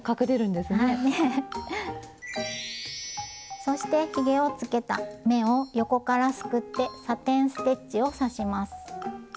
そしてひげをつけた目を横からすくってサテン・ステッチを刺します。